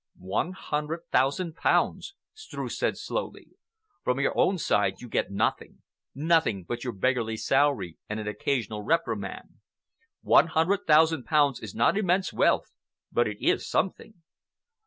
"One hundred thousand pounds," Streuss said slowly. "From your own side you get nothing—nothing but your beggarly salary and an occasional reprimand. One hundred thousand pounds is not immense wealth, but it is something."